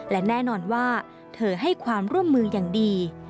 และแน่นอนว่าเธอให้ความร่วมมืออย่างดี